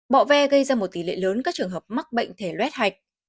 bọ ve gây ra một tỷ lệ lớn các trường hợp mắc bệnh thể luet hạch